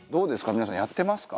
皆さんやってますか？